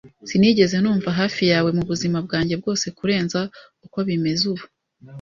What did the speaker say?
Sinigeze numva hafi yawe mubuzima bwanjye bwose kurenza uko bimeze ubu.